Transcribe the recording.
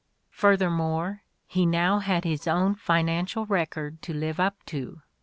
Furthermore, he now had his own financial record to live up to.